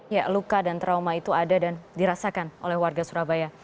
ya luka dan trauma itu ada dan dirasakan oleh warga surabaya